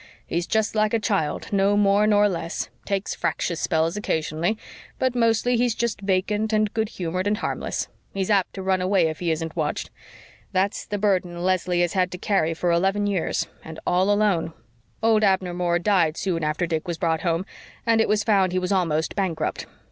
He's just like a child, no more nor less. Takes fractious spells occasionally, but mostly he's just vacant and good humored and harmless. He's apt to run away if he isn't watched. That's the burden Leslie has had to carry for eleven years and all alone. Old Abner Moore died soon after Dick was brought home and it was found he was almost bankrupt.